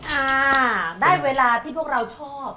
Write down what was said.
ค่ะได้เวลาที่พวกเราชอบ